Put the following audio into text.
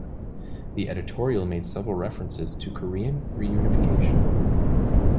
The editorial made several references to Korean reunification.